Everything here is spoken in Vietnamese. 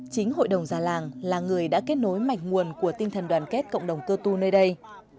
chính hội đồng già làng là người đã kết nối mạch nguồn của tinh thần đoàn kết cộng đồng cơ tu nơi đây